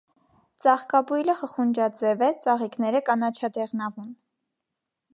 Ծաղկաբույլը խխունջաձև է, ծաղիկները՝ կանաչադեղնավուն։